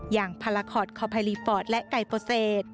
อย่างพลาคอร์ดคอพาลีฟอร์ดและไก่ประเศษ